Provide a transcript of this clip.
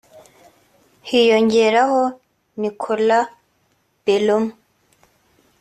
Hiyongeraho Nicola Bellomo